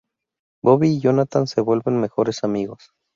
Bobby y Jonathan se vuelven mejores amigos.